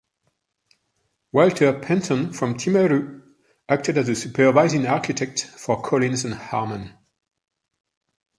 Walter Panton from Timaru acted as the supervising architect for Collins and Harman.